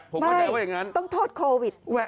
ผมเข้าใจว่าอย่างนั้นต้องโทษโควิด